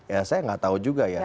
ya saya nggak tahu juga ya